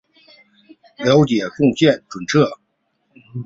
最常用的是差速驱动控制。